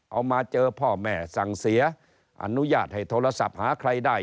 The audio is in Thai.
เอามาเจอพ่อแม่สั่งเสียอนุญาตให้โทรศัพท์หาใครได้